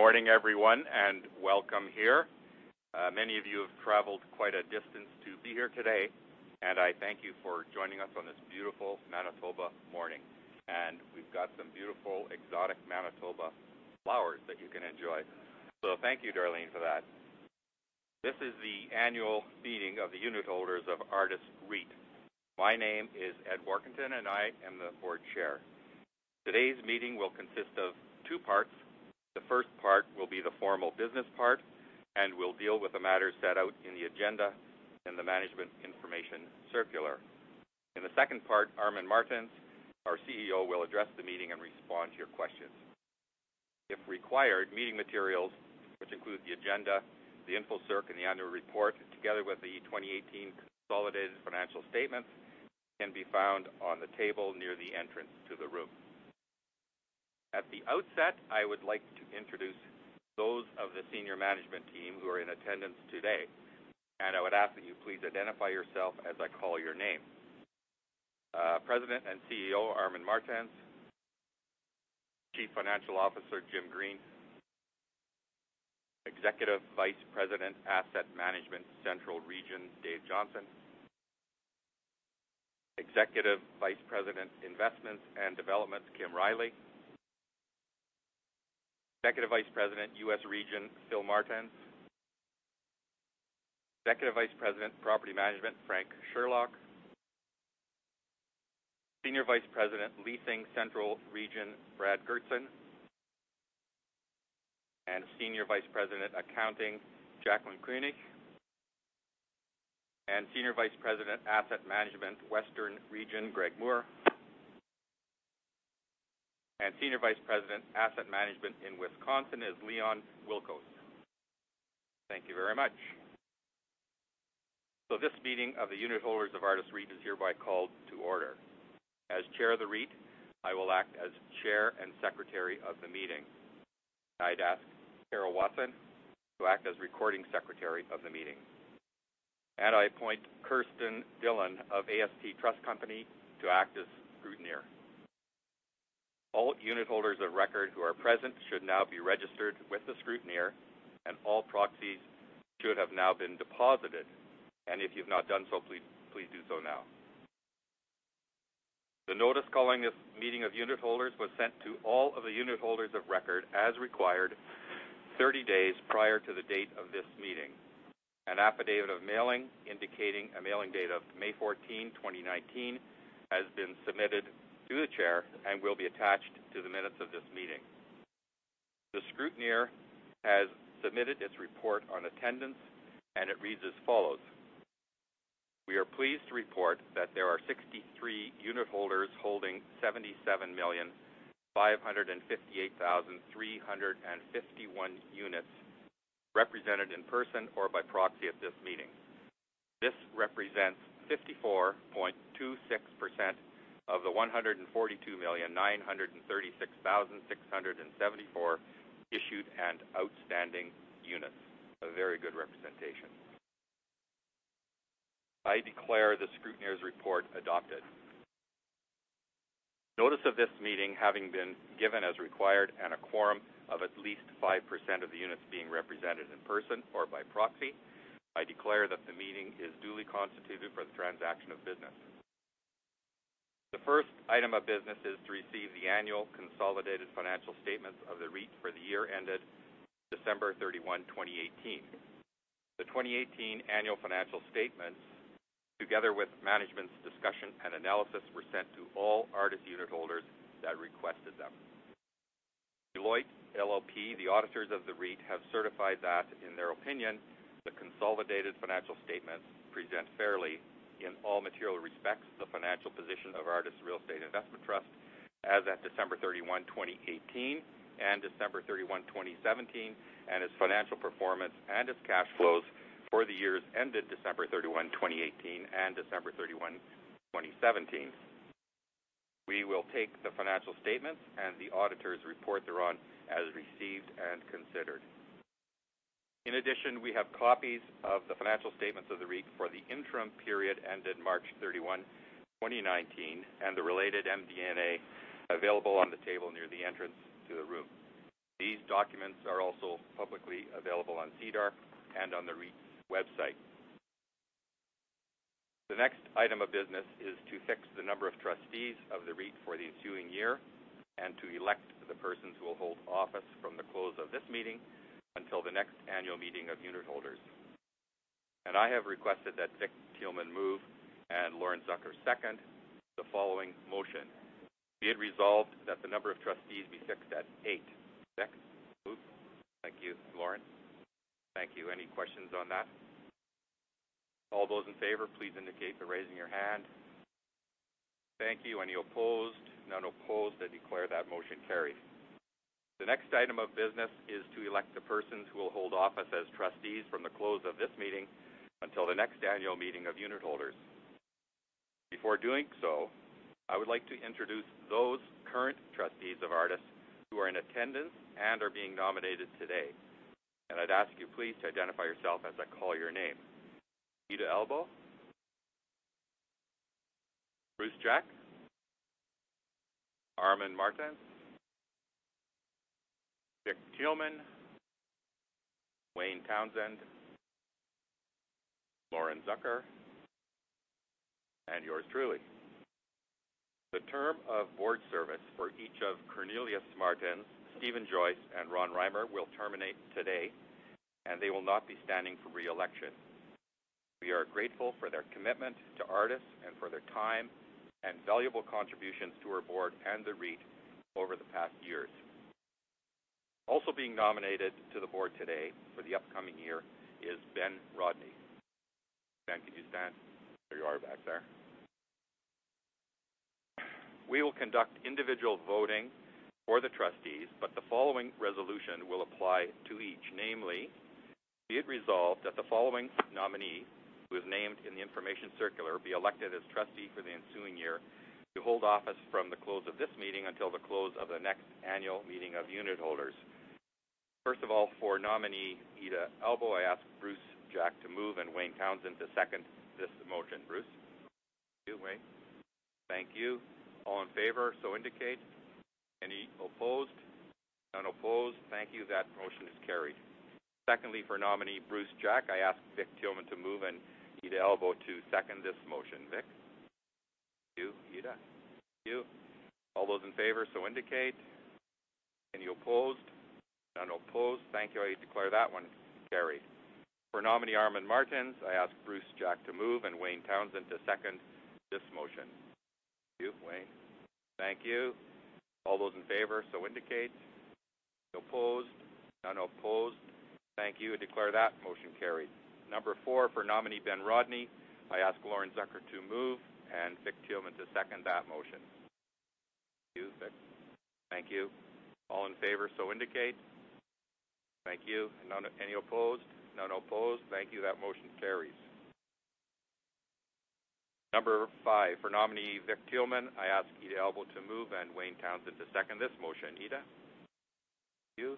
Good morning, everyone, and welcome here. Many of you have traveled quite a distance to be here today, and I thank you for joining us on this beautiful Manitoba morning. We've got some beautiful, exotic Manitoba flowers that you can enjoy. Thank you, Darlene, for that. This is the annual meeting of the unitholders of Artis REIT. My name is Ed Warkentin, and I am the Board Chair. Today's meeting will consist of two parts. The first part will be the formal business part and will deal with the matters set out in the agenda and the management information circular. In the second part, Armin Martens, our CEO, will address the meeting and respond to your questions. If required, meeting materials, which include the agenda, the info circ, and the annual report, together with the 2018 consolidated financial statements, can be found on the table near the entrance to the room. At the outset, I would like to introduce those of the senior management team who are in attendance today, and I would ask that you please identify yourself as I call your name. President and CEO, Armin Martens. Chief Financial Officer, Jim Green. Executive Vice President, Asset Management, Central Region, Dave Johnson. Executive Vice President, Investments and Developments, Kim Riley. Executive Vice President, U.S. Region, Philip Martens. Executive Vice President, Property Management, Frank Sherlock. Senior Vice President, Leasing, Central Region, Brad Gerdsen. Senior Vice President, Accounting, Jacqueline Kuernick. Senior Vice President, Asset Management, Western Region, Greg Moore. Senior Vice President, Asset Management in Wisconsin, is Leon Wilkos. Thank you very much. This meeting of the unitholders of Artis REIT is hereby called to order. As Chair of the REIT, I will act as Chair and Secretary of the meeting. I'd ask Carol Watson to act as Recording Secretary of the meeting. I appoint Kirsten Dillon of AST Trust Company to act as scrutineer. All unitholders of record who are present should now be registered with the scrutineer, and all proxies should have now been deposited. If you've not done so, please do so now. The notice calling this meeting of unitholders was sent to all of the unitholders of record as required 30 days prior to the date of this meeting. An affidavit of mailing indicating a mailing date of May 14, 2019, has been submitted to the Chair and will be attached to the minutes of this meeting. The scrutineer has submitted its report on attendance, and it reads as follows. We are pleased to report that there are 63 unitholders holding 77,558,351 units represented in person or by proxy at this meeting. This represents 54.26% of the 142 million, 936 thousand, 674 issued and outstanding units. A very good representation. I declare the scrutineer's report adopted. Notice of this meeting having been given as required and a quorum of at least 5% of the units being represented in person or by proxy, I declare that the meeting is duly constituted for the transaction of business. The first item of business is to receive the annual consolidated financial statements of the REIT for the year ended December 31, 2018. The 2018 annual financial statements, together with management's discussion and analysis, were sent to all Artis unitholders that requested them. Deloitte LLP, the auditors of the REIT, have certified that, in their opinion, the consolidated financial statements present fairly in all material respects, the financial position of Artis Real Estate Investment Trust as at December 31, 2018, and December 31, 2017, and its financial performance and its cash flows for the years ended December 31, 2018, and December 31, 2017. We will take the financial statements and the auditors report thereon as received and considered. In addition, we have copies of the financial statements of the REIT for the interim period ended March 31, 2019, and the related MD&A available on the table near the entrance to the room. These documents are also publicly available on SEDAR and on the REIT's website. The next item of business is to fix the number of trustees of the REIT for the ensuing year and to elect the persons who will hold office from the close of this meeting until the next annual meeting of unitholders. I have requested that Vic Fedeli move and Lauren Zucker second the following motion. Be it resolved that the number of trustees be fixed at eight. Vic? Move. Thank you. Lauren? Thank you. Any questions on that? All those in favor, please indicate by raising your hand. Thank you. Any opposed? None opposed. I declare that motion carried. The next item of business is to elect the persons who will hold office as trustees from the close of this meeting until the next annual meeting of unitholders. Before doing so, I would like to introduce those current trustees of Artis who are in attendance and are being nominated today. I'd ask you please to identify yourself as I call your name. Ida Albo? Bruce Jack. Armin Martens. Vic Fedeli. Wayne Townsend. Lauren Zucker, and yours truly. The term of board service for each of Cornelius Martens, Steven Joyce, and Ronald Rimer will terminate today, and they will not be standing for re-election. We are grateful for their commitment to Artis and for their time and valuable contributions to our board and the REIT over the past years. Also being nominated to the board today for the upcoming year is Ben Rodney. Ben, can you stand? There you are back there. We will conduct individual voting for the trustees, but the following resolution will apply to each, namely, be it resolved that the following nominee, who is named in the information circular, be elected as trustee for the ensuing year to hold office from the close of this meeting until the close of the next annual meeting of unitholders. First of all, for nominee Ida Albo, I ask Bruce Jack to move and Wayne Townsend to second this motion. Bruce? Thank you. Wayne? Thank you. All in favor so indicate. Any opposed? None opposed. Thank you. That motion is carried. Secondly, for nominee Bruce Jack, I ask Vic Fedeli to move and Ida Albo to second this motion. Vic? Thank you. Ida? Thank you. All those in favor so indicate. Any opposed? None opposed. Thank you. I declare that one carried. For nominee Armin Martens, I ask Bruce Jack to move and Wayne Townsend to second this motion. Thank you. Wayne? Thank you. All those in favor so indicate. Any opposed? None opposed. Thank you. I declare that motion carried. Number four, for nominee Ben Rodney, I ask Lauren Zucker to move and Vic Fedeli to second that motion. Thank you. Vic? Thank you. All in favor so indicate. Thank you. Any opposed? None opposed. Thank you. That motion carries. Number five, for nominee Vic Fedeli, I ask Ida Albo to move and Wayne Townsend to second this motion. Ida? Thank you.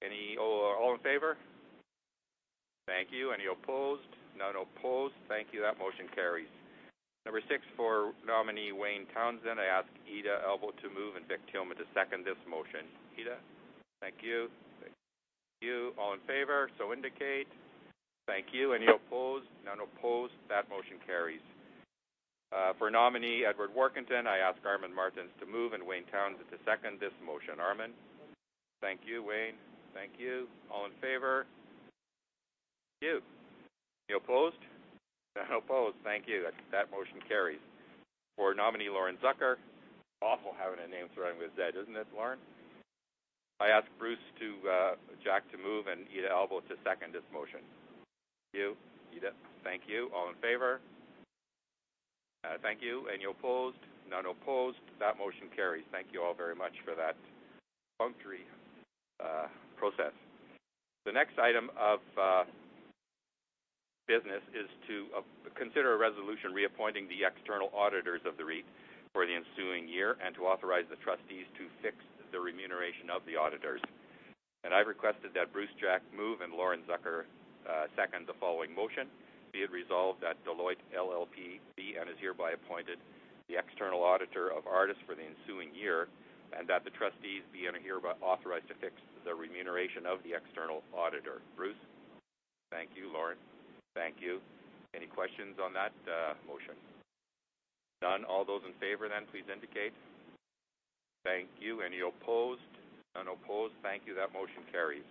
Thank you. All in favor? Thank you. Any opposed? None opposed. Thank you. That motion carries. Number six, for nominee Wayne Townsend, I ask Ida Albo to move and Vic Fedeli to second this motion. Ida? Thank you. Thank you. All in favor so indicate. Thank you. Any opposed? None opposed. That motion carries. For nominee Edward Warkentin, I ask Armin Martens to move and Wayne Townsend to second this motion. Armin? Thank you. Wayne? Thank you. All in favor? Thank you. Any opposed? None opposed. Thank you. That motion carries. For nominee Lauren Zucker, awful having a name starting with Z, isn't it, Lauren? I ask Bruce Jack to move and Ida Albo to second this motion. Thank you. Ida? Thank you. All in favor? Thank you. Any opposed? None opposed. That motion carries. Thank you all very much for that process. The next item of business is to consider a resolution reappointing the external auditors of the REIT for the ensuing year and to authorize the trustees to fix the remuneration of the auditors. I've requested that Bruce Jack move and Lauren Zucker second the following motion. Be it resolved that Deloitte LLP be and is hereby appointed the external auditor of Artis for the ensuing year, and that the trustees be and are hereby authorized to fix the remuneration of the external auditor. Bruce? Thank you. Lauren? Thank you. Any questions on that motion? None. All those in favor, then, please indicate. Thank you. Any opposed? None opposed. Thank you. That motion carries.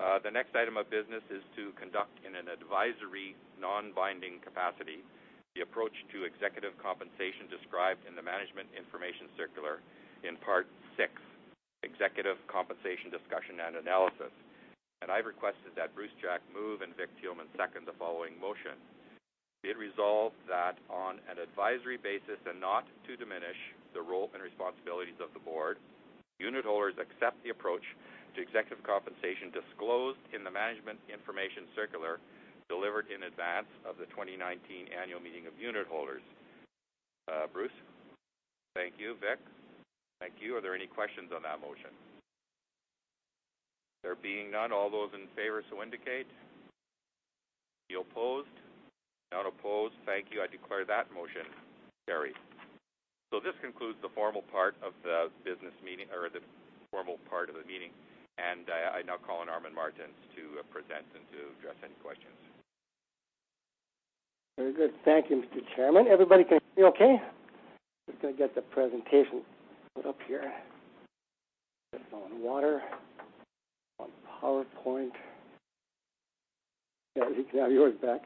The next item of business is to conduct in an advisory non-binding capacity the approach to executive compensation described in the management information circular in part six, executive compensation discussion and analysis. I've requested that Bruce Jack move and Vic Fedeli second the following motion. Be it resolved that on an advisory basis and not to diminish the role and responsibilities of the board, unitholders accept the approach to executive compensation disclosed in the management information circular delivered in advance of the 2019 annual meeting of unitholders. Bruce? Thank you. Vic? Thank you. Are there any questions on that motion? There being none, all those in favor so indicate. Any opposed? None opposed. Thank you. I declare that motion carries. This concludes the formal part of the meeting, and I now call on Armin Martens to present and to address any questions. Very good. Thank you, Mr. Chairman. Everybody can hear me okay? Just going to get the presentation put up here. Just on water, on PowerPoint. There, you can have yours back.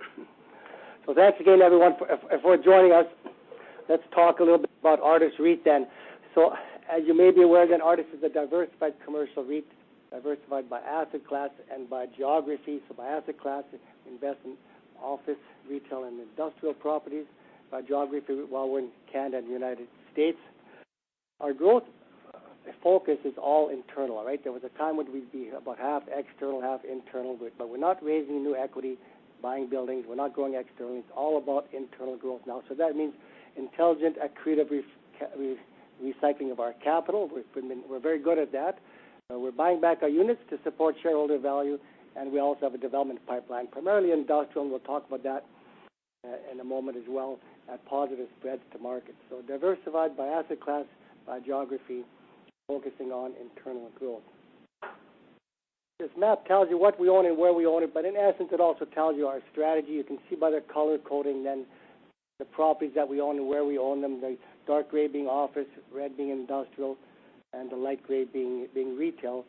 Thanks again, everyone, for joining us. Let's talk a little bit about Artis REIT. As you may be aware, again, Artis is a diversified commercial REIT, diversified by asset class and by geography. By asset class, it invests in office, retail, and industrial properties. By geography, well, we're in Canada and the United States. Our growth focus is all internal, right? There was a time when we'd be about half external, half internal, but we're not raising new equity, buying buildings. We're not going external. It's all about internal growth now. That means intelligent and creative recycling of our capital. We're very good at that. We're buying back our units to support shareholder value, and we also have a development pipeline, primarily industrial, and we'll talk about that in a moment as well, at positive spreads to market. Diversified by asset class, by geography, focusing on internal growth. This map tells you what we own and where we own it, but in essence, it also tells you our strategy. You can see by the color-coding then the properties that we own and where we own them, the dark gray being office, red being industrial, and the light gray being retail.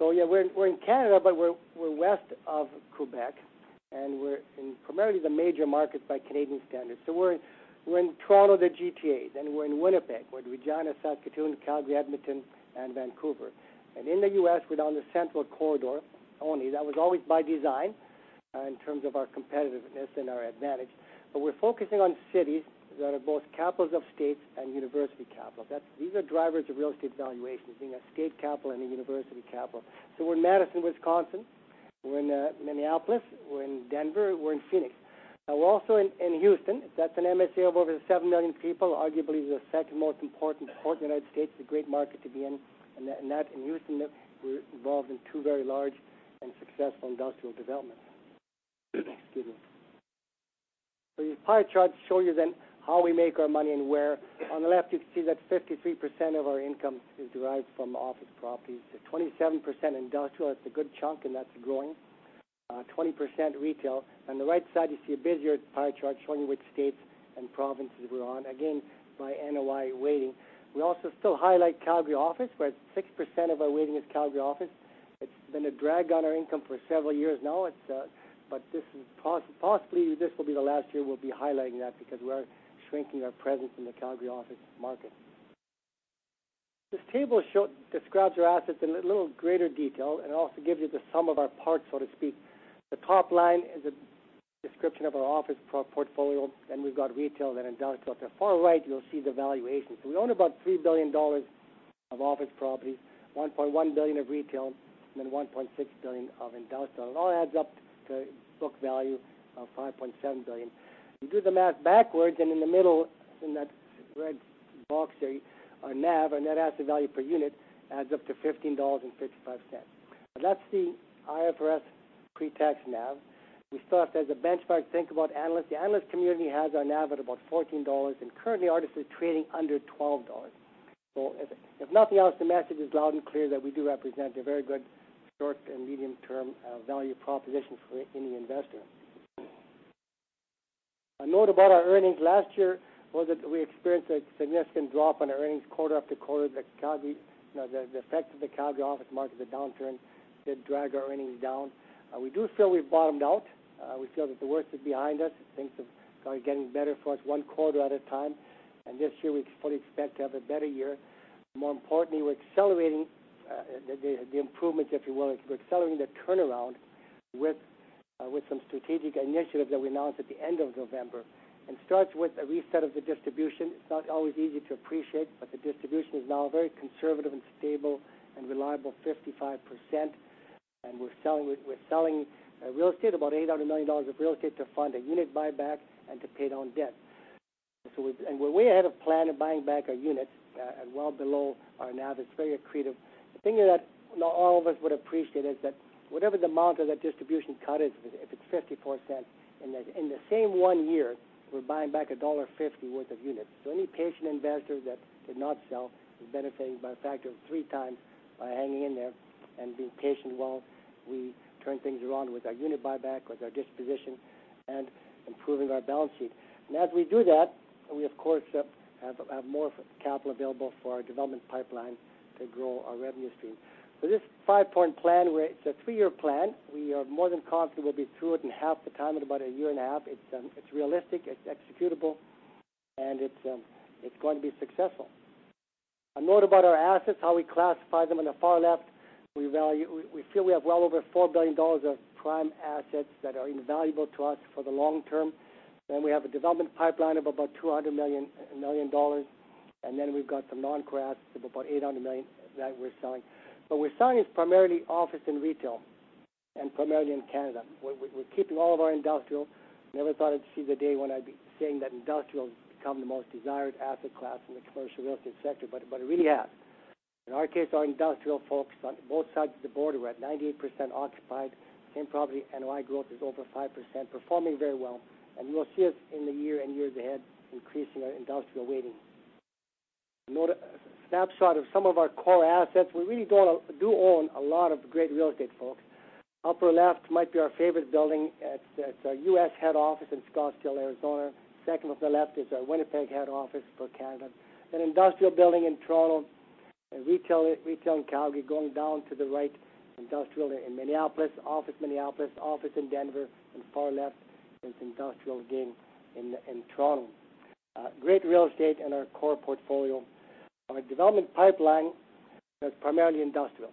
Yeah, we're in Canada, but we're west of Quebec, and we're in primarily the major markets by Canadian standards. We're in Toronto, the GTA, then we're in Winnipeg. We're in Regina, Saskatoon, Calgary, Edmonton, and Vancouver. In the U.S., we're down the central corridor only. That was always by design in terms of our competitiveness and our advantage. We're focusing on cities that are both capitals of states and university capitals. These are drivers of real estate valuations, being a state capital and a university capital. We're in Madison, Wisconsin, we're in Minneapolis, we're in Denver, we're in Phoenix. We're also in Houston. That's an MSA of over 7 million people, arguably the second most important port in the United States, a great market to be in. In Houston, we're involved in two very large and successful industrial developments. Excuse me. These pie charts show you then how we make our money and where. On the left, you can see that 53% of our income is derived from office properties. 27% industrial, that's a good chunk, and that's growing. 20% retail. On the right side, you see a busier pie chart showing you which states and provinces we're on, again, by NOI weighting. We also still highlight Calgary office, where 6% of our weighting is Calgary office. It's been a drag on our income for several years now. Possibly this will be the last year we'll be highlighting that because we're shrinking our presence in the Calgary office market. This table describes our assets in a little greater detail and also gives you the sum of our parts, so to speak. The top line is a description of our office portfolio, then we've got retail, then industrial. At the far right, you'll see the valuations. We own about 3 billion dollars of office properties, 1.1 billion of retail, and then 1.6 billion of industrial. It all adds up to a book value of 5.7 billion. You do the math backwards. In the middle, in that red box there, our NAV, our net asset value per unit, adds up to 15.55 dollars. That's the IFRS pre-tax NAV. We thought as a benchmark, think about analysts. The analyst community has our NAV at about 14 dollars, and currently, Artis's trading under 12 dollars. If nothing else, the message is loud and clear that we do represent a very good short- and medium-term value proposition for any investor. A note about our earnings. Last year was that we experienced a significant drop in our earnings quarter after quarter. The effect of the Calgary office market, the downturn, did drag our earnings down. We do feel we've bottomed out. We feel that the worst is behind us. Things are getting better for us one quarter at a time, and this year we fully expect to have a better year. More importantly, we're accelerating the improvements, if you will. We're accelerating the turnaround with some strategic initiatives that we announced at the end of November. It starts with a reset of the distribution. It's not always easy to appreciate, but the distribution is now a very conservative and stable and reliable 55%, and we're selling real estate, about 800 million dollars of real estate to fund a unit buyback and to pay down debt. We're way ahead of plan in buying back our units at well below our NAV. It's very accretive. The thing that not all of us would appreciate is that whatever the amount of that distribution cut is, if it's 0.54, in the same one year, we're buying back dollar 1.50 worth of units. Any patient investor that did not sell is benefiting by a factor of three times by hanging in there and being patient while we turn things around with our unit buyback, with our disposition, and improving our balance sheet. As we do that, we of course have more capital available for our development pipeline to grow our revenue stream. This five-point plan, it's a three-year plan. We are more than confident we'll be through it in half the time, in about a year and a half. It's realistic, it's executable, and it's going to be successful. A note about our assets, how we classify them. On the far left, we feel we have well over 4 billion dollars of prime assets that are invaluable to us for the long term. We have a development pipeline of about 200 million dollars. We've got some non-core assets of about 800 million that we're selling. What we're selling is primarily office and retail, and primarily in Canada. We're keeping all of our industrial. Never thought I'd see the day when I'd be saying that industrial's become the most desired asset class in the commercial real estate sector, but it really has. In our case, our industrial folks on both sides of the border were at 98% occupied. Same property NOI growth is over 5%, performing very well. You will see us in the year and years ahead increasing our industrial weighting. A snapshot of some of our core assets. We really do own a lot of great real estate, folks. Upper left might be our favorite building. It's our U.S. head office in Scottsdale, Arizona. Second from the left is our Winnipeg head office for Canada. An industrial building in Toronto, a retail in Calgary, going down to the right, industrial in Minneapolis, office Minneapolis, office in Denver, and far left is industrial again in Toronto. Great real estate in our core portfolio. Our development pipeline is primarily industrial,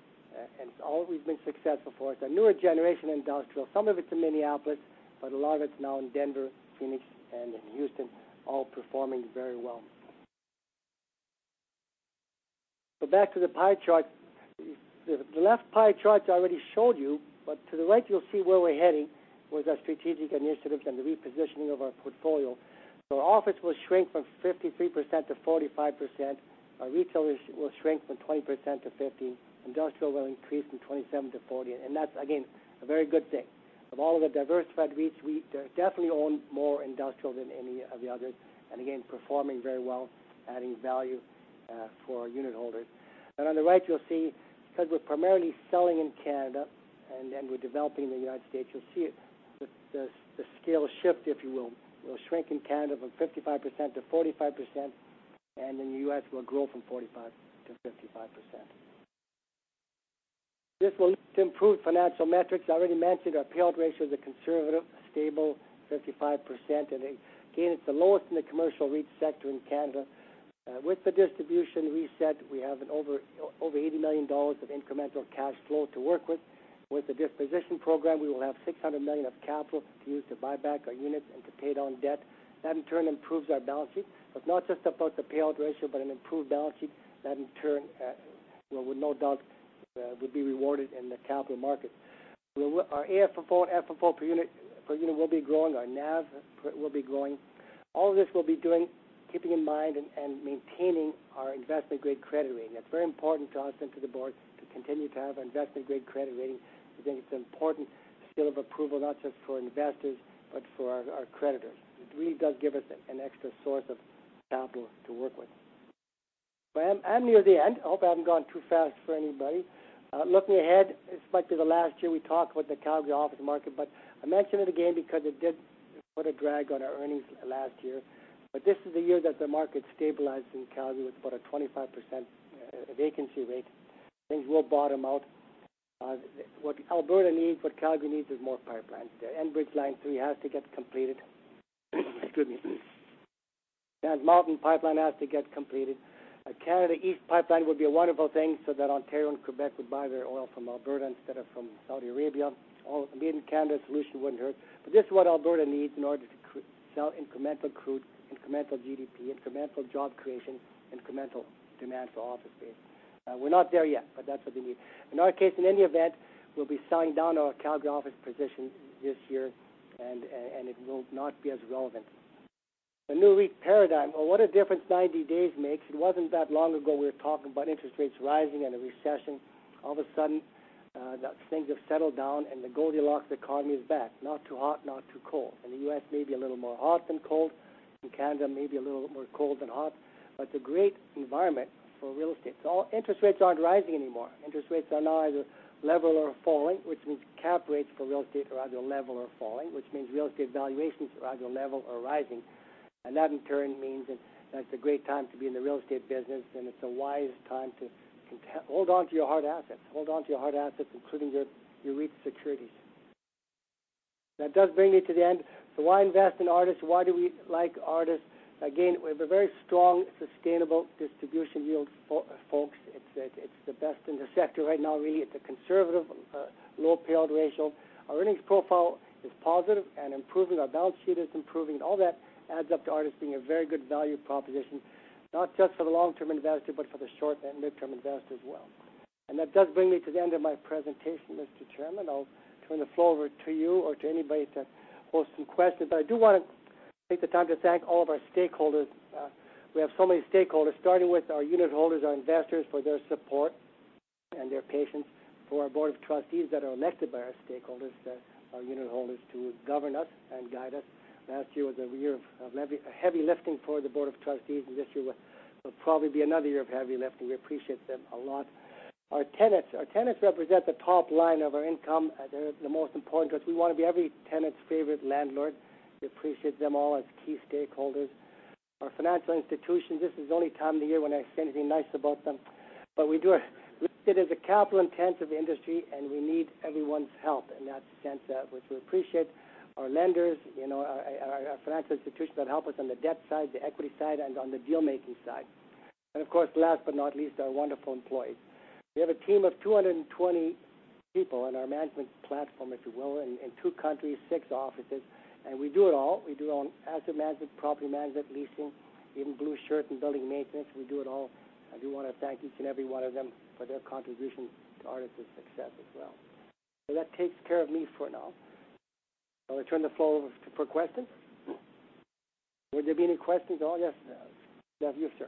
and it's always been successful for us. A newer generation industrial. Some of it's in Minneapolis, but a lot of it's now in Denver, Phoenix, and in Houston, all performing very well. Back to the pie chart. The left pie chart I already showed you. To the right, you'll see where we're heading with our strategic initiatives and the repositioning of our portfolio. Office will shrink from 53% to 45%. Our retail will shrink from 20% to 15%. Industrial will increase from 27% to 40%. That's, again, a very good thing. Of all of the diversified REITs, we definitely own more industrial than any of the others. Again, performing very well, adding value for our unitholders. On the right, you'll see, because we're primarily selling in Canada and then we're developing in the U.S., you'll see the scale shift, if you will shrink in Canada from 55% to 45%, and in the U.S. will grow from 45% to 55%. This will improve financial metrics. I already mentioned our payout ratio is a conservative, stable 55%. Again, it's the lowest in the commercial REIT sector in Canada. With the distribution reset, we have over 80 million dollars of incremental cash flow to work with. With the disposition program, we will have 600 million of capital to use to buy back our units and to pay down debt. That, in turn, improves our balance sheet. It's not just about the payout ratio. An improved balance sheet that, in turn, with no doubt, would be rewarded in the capital market. Our AFFO and FFO per unit will be growing. Our NAV will be growing. All this we'll be doing, keeping in mind, maintaining our investment-grade credit rating. That's very important to us and to the board to continue to have our investment-grade credit rating. We think it's an important seal of approval, not just for investors, but for our creditors. It really does give us an extra source of capital to work with. I'm near the end. I hope I haven't gone too fast for anybody. Looking ahead, it's like the last year we talked about the Calgary office market. I mention it again because it did put a drag on our earnings last year. This is the year that the market stabilized in Calgary with about a 25% vacancy rate. Things will bottom out. What Alberta needs, what Calgary needs, is more pipelines. The Enbridge Line 3 has to get completed. Excuse me. Trans Mountain pipeline has to get completed. A Energy East pipeline would be a wonderful thing so that Ontario and Quebec would buy their oil from Alberta instead of from Saudi Arabia. Although, being Canada, a solution wouldn't hurt. This is what Alberta needs in order to sell incremental crude, incremental GDP, incremental job creation, incremental demand for office space. We're not there yet. That's what they need. In our case, in any event, we'll be signing down our Calgary office position this year. It will not be as relevant. The new REIT paradigm. What a difference 90 days makes. It wasn't that long ago we were talking about interest rates rising and a recession. Things have settled down and the Goldilocks economy is back. Not too hot, not too cold. In the U.S., maybe a little more hot than cold. In Canada, maybe a little more cold than hot. It's a great environment for real estate. Interest rates aren't rising anymore. Interest rates are now either level or falling, which means cap rates for real estate are either level or falling, which means real estate valuations are either level or rising. That, in turn, means that it's a great time to be in the real estate business, and it's a wise time to hold onto your hard assets, including your REIT securities. That does bring me to the end. Why invest in Artis? Why do we like Artis? We have a very strong, sustainable distribution yield, folks. It's the best in the sector right now, really. It's a conservative, low payout ratio. Our earnings profile is positive and improving. Our balance sheet is improving. All that adds up to Artis being a very good value proposition, not just for the long-term investor, but for the short- and mid-term investor as well. That does bring me to the end of my presentation, Mr. Chairman. I'll turn the floor over to you or to anybody to pose some questions. I do want to take the time to thank all of our stakeholders. We have so many stakeholders, starting with our unitholders, our investors, for their support and their patience. For our board of trustees that are elected by our stakeholders, our unitholders, to govern us and guide us. Last year was a year of heavy lifting for the board of trustees, and this year will probably be another year of heavy lifting. We appreciate them a lot. Our tenants. Our tenants represent the top line of our income. They're the most important to us. We want to be every tenant's favorite landlord. We appreciate them all as key stakeholders. Our financial institutions. This is the only time of the year when I say anything nice about them, but we do. We're considered as a capital-intensive industry, and we need everyone's help, and that's the sense that which we appreciate. Our lenders, our financial institutions that help us on the debt side, the equity side, and on the deal-making side. Of course, last but not least, our wonderful employees. We have a team of 220 people on our management platform, if you will, in two countries, six offices, and we do it all. We do asset management, property management, leasing, even blue shirt and building maintenance. We do it all. I do want to thank each and every one of them for their contribution to Artis' success as well. That takes care of me for now. I will turn the floor over for questions. Would there be any questions at all? Yes. Yes, you, sir.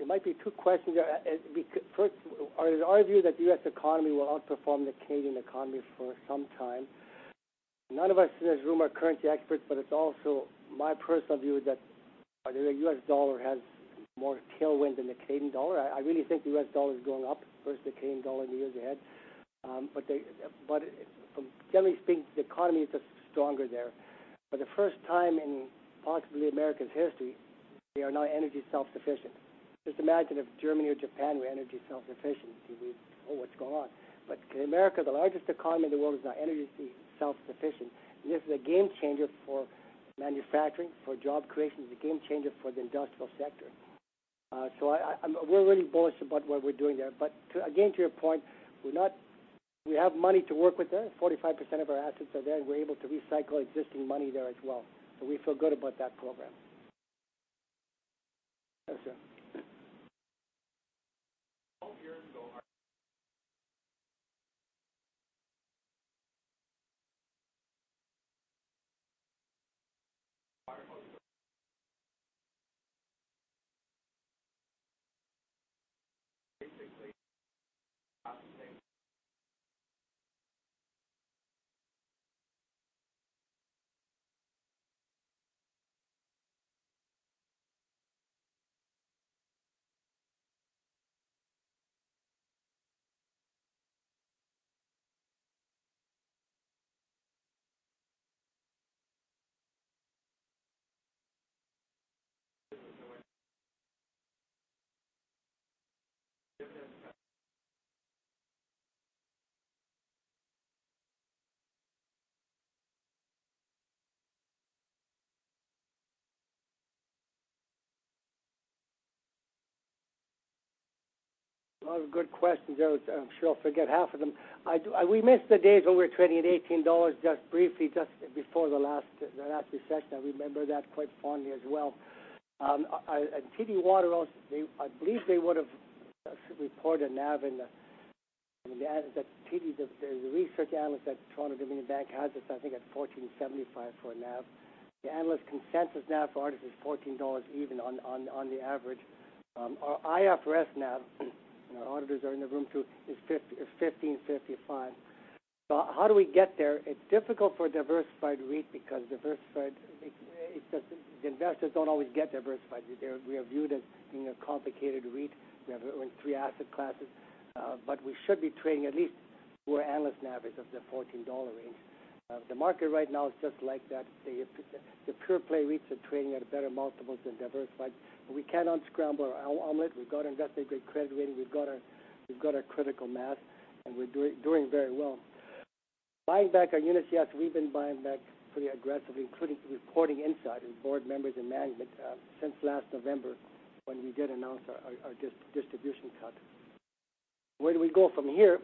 It might be two questions. First, it is our view that the U.S. economy will outperform the Canadian economy for some time. None of us in this room are currency experts, but it's also my personal view that the U.S. dollar has more tailwind than the Canadian dollar. I really think the U.S. dollar is going up versus the Canadian dollar in the years ahead. Generally speaking, the economy is just stronger there. For the first time in possibly America's history, they are now energy self-sufficient. Just imagine if Germany or Japan were energy self-sufficient. We'd see, "Oh, what's going on?" America, the largest economy in the world, is now energy self-sufficient. This is a game-changer for manufacturing, for job creation. It's a game-changer for the industrial sector. We're really bullish about what we're doing there. Again, to your point, we have money to work with there. 45% of our assets are there, and we're able to recycle existing money there as well. We feel good about that program. Yes, sir. Lot of good questions. I'm sure I'll forget half of them. We missed the days when we were trading at 18 dollars just briefly just before the last recession. I remember that quite fondly as well. TD Waterhouse, I believe they would've reported NAV in the TD, the research analyst at Toronto-Dominion Bank, has us, I think, at 14.75 for a NAV. The analyst consensus NAV for Artis is 14 dollars even on the average. Our IFRS NAV, and our auditors are in the room, too, is 15.55. How do we get there? It's difficult for a diversified REIT because the investors don't always get diversified. We are viewed as being a complicated REIT. We have three asset classes. We should be trading at least where analyst NAV is, of the 14 dollar range. The market right now is just like that. The pure-play REITs are trading at better multiples than diversified. We can't unscramble our omelet. We've got our investment-grade credit rating. We've got our critical mass, and we're doing very well. Buying back our units, yes, we've been buying back pretty aggressively, including reporting inside with board members and management since last November when we did announce our distribution cut. Where do we go from here?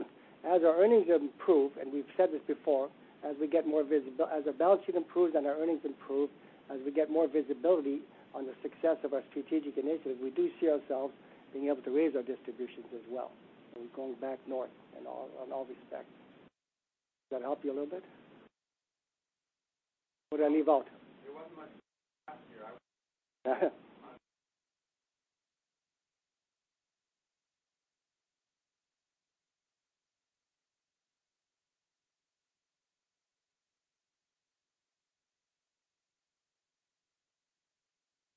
As our earnings improve, and we've said this before, as our balance sheet improves and our earnings improve, as we get more visibility on the success of our strategic initiatives, we do see ourselves being able to raise our distributions as well, and going back north on all respects. Does that help you a little bit? What did I leave out?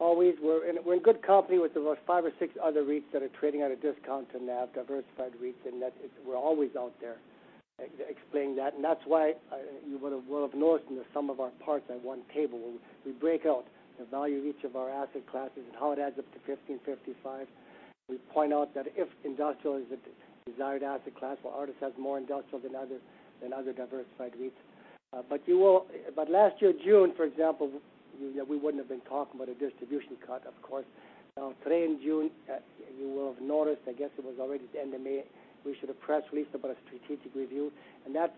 There wasn't much Always. We're in good company with about five or six other REITs that are trading at a discount to NAV, diversified REITs, and we're always out there explaining that. That's why you would've noticed in the sum of our parts at one table, we break out the value of each of our asset classes and how it adds up to 15.55. We point out that if industrial is the desired asset class, well, Artis has more industrial than other diversified REITs. Last year, June, for example, we wouldn't have been talking about a distribution cut, of course. Today in June, you will have noticed, I guess it was already the end of May, we issued a press release about a strategic review, and that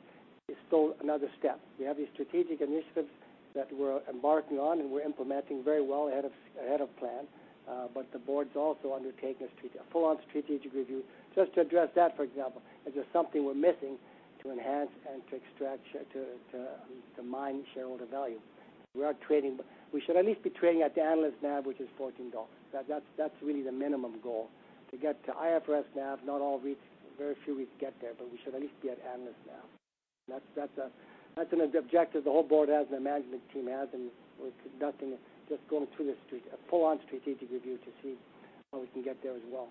is still another step. We have these strategic initiatives that we're embarking on, and we're implementing very well ahead of plan. The board's also undertaking a full-on strategic review just to address that, for example. Is there something we're missing to enhance and to extract, to mine shareholder value? We should at least be trading at the analyst NAV, which is 14 dollars. That's really the minimum goal. To get to IFRS NAV, not all REITs, very few REITs get there, but we should at least be at analyst NAV. That's an objective the whole board has, and the management team has, and we're conducting, just going through a full-on strategic review to see how we can get there as well.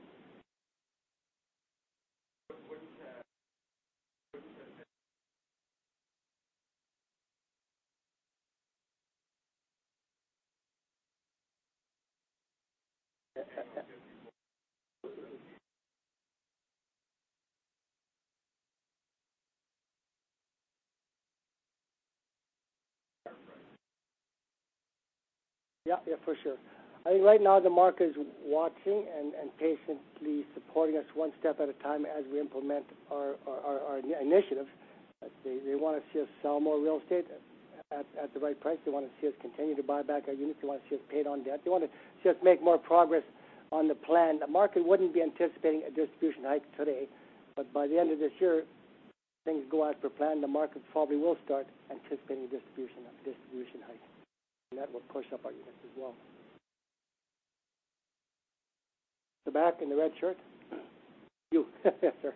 Yeah, for sure. I think right now the market is watching and patiently supporting us one step at a time as we implement our initiatives. They want to see us sell more real estate at the right price. They want to see us continue to buy back our units. They want to see us pay down debt. They want to see us make more progress on the plan. The market wouldn't be anticipating a distribution hike today, but by the end of this year, things go as per plan, the market probably will start anticipating a distribution hike, and that will push up our units as well. The back in the red shirt. You. Sir.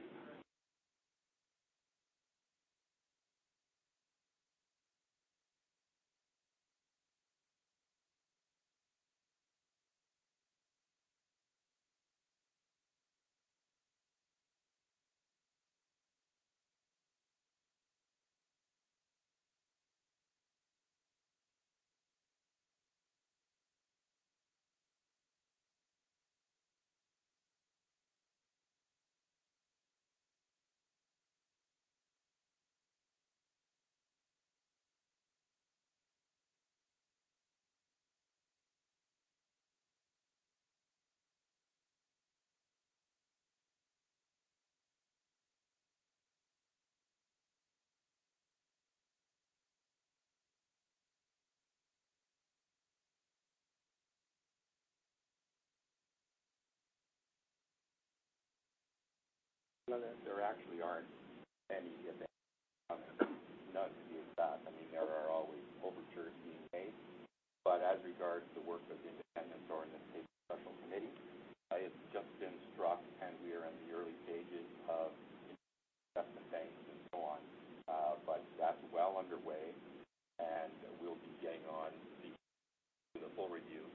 There actually aren't many events coming, none to speak of. There are always overtures being made, but as regards to the work of the independents or in this case, the special committee, it's just been struck and we are in the early stages of investment banks and so on. That's well underway and we'll be getting on to the full review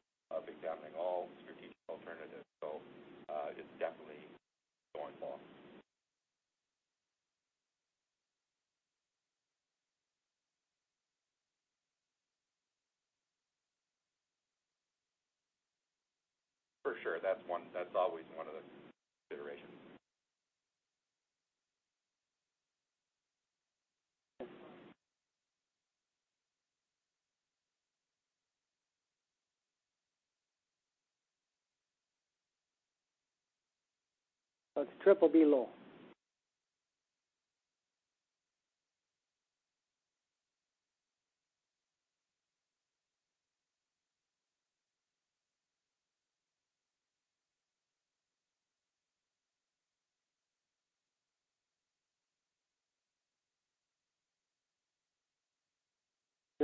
of examining all strategic alternatives. It's definitely going along. For sure, that's always one of the considerations. It's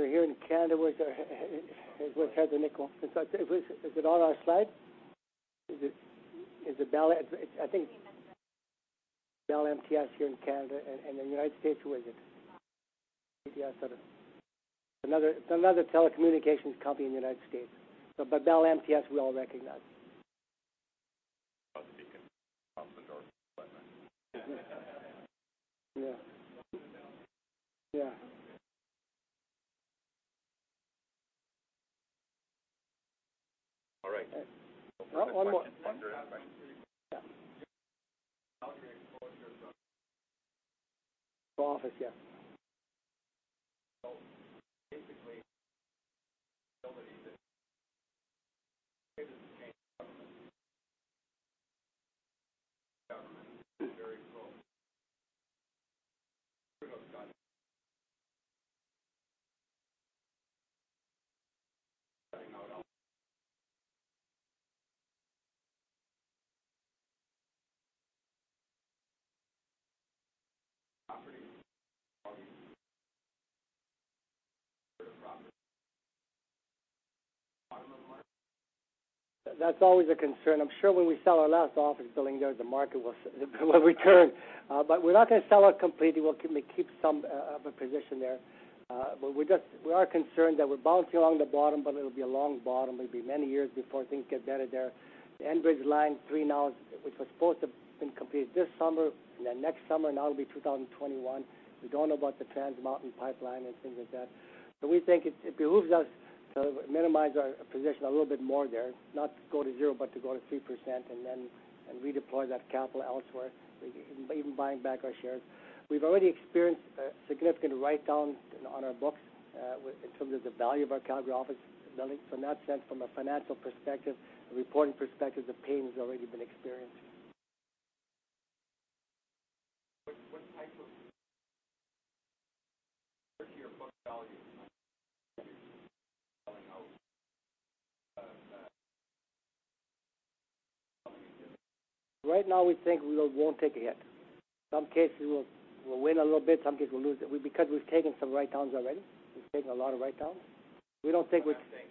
BBB-. We're here in Canada with Heather Nikkel. Is it on our slide? Is it Bell? I think it's Bell MTS here in Canada, and in the U.S., who is it? Another telecommunications company in the U.S. Bell MTS, we all recognize. Speaking across the door. Yeah. Yeah. All right. One more. One more. Office, yeah. Basically, the ability to change government is very slow. We are not done. I know. Operating. That is always a concern. I am sure when we sell our last office building there, the market will return. We are not going to sell out completely. We will keep some of a position there. We are concerned that we are bouncing along the bottom, but it will be a long bottom. It will be many years before things get better there. The Enbridge Line 3 now, which was supposed to have been completed this summer, and then next summer, now it will be 2021. We do not know about the Trans Mountain pipeline and things like that. We think it behooves us to minimize our position a little bit more there, not to go to zero, but to go to 3% and then redeploy that capital elsewhere, even buying back our shares. We have already experienced significant write-downs on our books in terms of the value of our Calgary office building. From that sense, from a financial perspective, a reporting perspective, the pain has already been experienced. Where's your book value tonight selling out? Right now, we think we won't take a hit. Some cases, we'll win a little bit, some cases we'll lose it, because we've taken some write-downs already. We've taken a lot of write-downs. We don't think. We're not taking.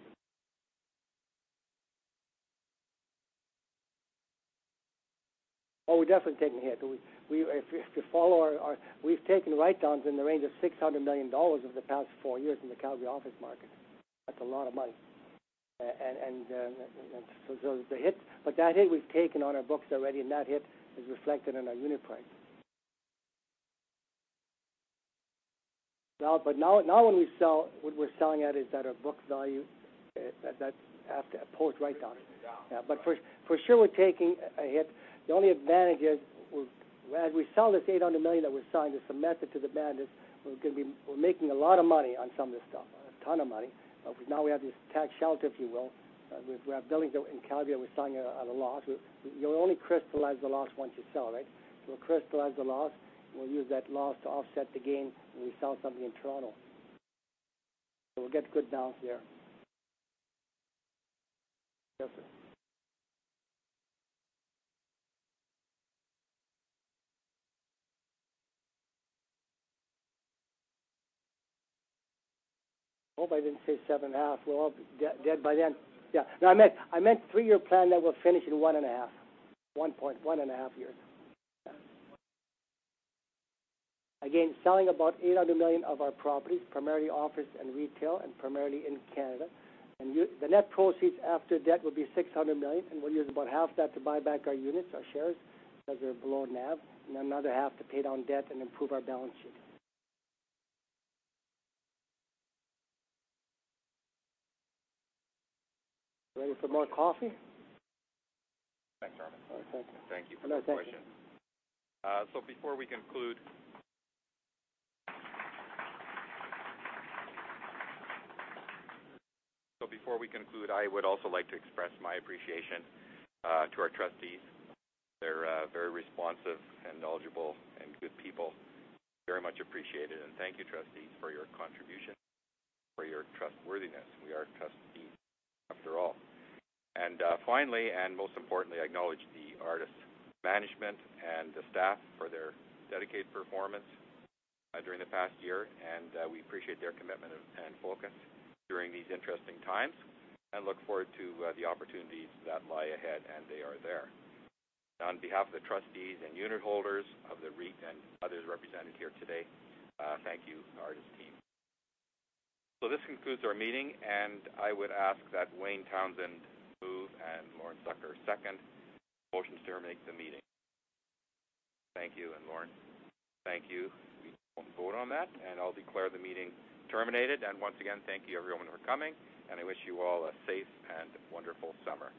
Oh, we're definitely taking a hit. If you follow our, we've taken write-downs in the range of 600 million dollars over the past four years in the Calgary office market. That's a lot of money. There's a hit. That hit we've taken on our books already, and that hit is reflected in our unit price. Now, when we sell, what we're selling at is at our book value. That's after a post write-down. Writing it down. Yeah. For sure, we're taking a hit. The only advantage is as we sell this 800 million that we've signed, it's a method to the madness. We're making a lot of money on some of this stuff, a ton of money. Now we have this tax shelter, if you will. We have buildings in Calgary that we're selling at a loss. You'll only crystallize the loss once you sell, right? So we'll crystallize the loss, and we'll use that loss to offset the gain when we sell something in Toronto. So we'll get good balance there. Yes, sir. Hope I didn't say seven and a half. We'll all be dead by then. Yeah, no, I meant three-year plan that we'll finish in one and a half. One and a half years. Yeah. Again, selling about 800 million of our properties, primarily office and retail, and primarily in Canada. The net proceeds after debt will be 600 million, and we'll use about half that to buy back our units, our shares, because they're below NAV, and another half to pay down debt and improve our balance sheet. Ready for more coffee? Thanks, Armin. Okay. Thank you for the question. Before we conclude, I would also like to express my appreciation to our trustees. They're very responsive and knowledgeable and good people. Very much appreciated, and thank you, trustees, for your contribution, for your trustworthiness. We are trustees, after all. Finally, and most importantly, I acknowledge the Artis management and the staff for their dedicated performance during the past year, and we appreciate their commitment and focus during these interesting times, and look forward to the opportunities that lie ahead, and they are there. On behalf of the trustees and unitholders of the REIT and others represented here today, thank you, Artis team. This concludes our meeting, and I would ask that Wayne Townsend move and Lauren Zucker second the motion to terminate the meeting. Thank you. Lauren, thank you. We won't vote on that, and I'll declare the meeting terminated. Once again, thank you, everyone, for coming, and I wish you all a safe and wonderful summer.